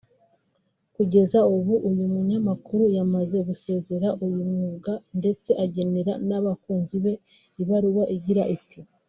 Kugeza ubu uyu munyamakuru yamaze gusezera uyu mwuga ndetse agenera n'abakunzi be ibaruwa igira iti'